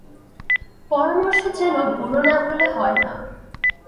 পরামর্শ যে বুড়ো না হলে হয় না।